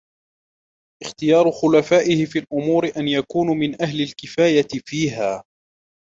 اخْتِيَارُ خُلَفَائِهِ فِي الْأُمُورِ أَنْ يَكُونُوا مِنْ أَهْلِ الْكِفَايَةِ فِيهَا